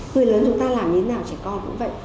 người lớn chúng ta làm thế nào trẻ con cũng vậy